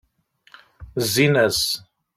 Zzin-as.